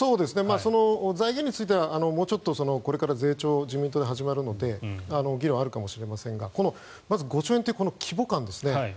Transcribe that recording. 財源についてはもうちょっと税調、自民党で始まるので議論があるかもしれませんがまず５兆円という規模感ですね。